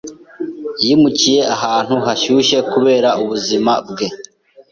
Yimukiye ahantu hashyushye kubera ubuzima bwe.